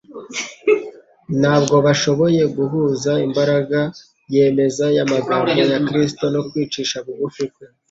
Ntabwo bashoboye guhuza imbaraga yemeza y'amagambo ya Kristo no kwicisha bugufi kwe;